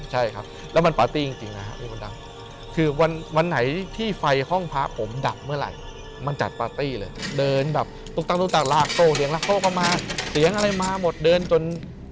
ใช่ครับแล้วมันปาร์ตี้จริงนะครับพี่มดดำคือวันไหนที่ไฟห้องพระผมดับเมื่อไหร่มันจัดปาร์ตี้เลยเดินแบบตุ๊กตาลากโต้เสียงลากโต้ก็มาเสียงอะไรมาหมดเดินจน